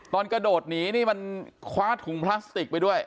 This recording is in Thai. กระโดดหนีนี่มันคว้าถุงพลาสติกไปด้วย